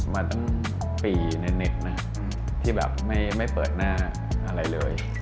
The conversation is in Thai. มาตั้งปีเน็ตนะที่แบบไม่เปิดหน้าอะไรเลย